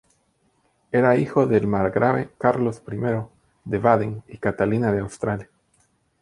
Era hijo del margrave Carlos I de Baden y Catalina de Austria.